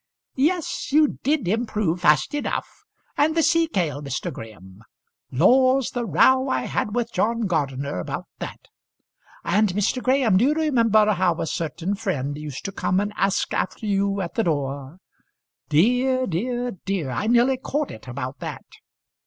"Yes; you did improve fast enough. And the sea kale, Mr. Graham. Laws! the row I had with John Gardener about that! And, Mr. Graham, do you remember how a certain friend used to come and ask after you at the door? Dear, dear, dear! I nearly caught it about that."